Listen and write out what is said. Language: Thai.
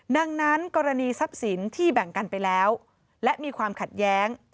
ดังนั้นกรณีทรัพย์สินที่แบ่งกันไปแล้วและมีความขัดแย้ง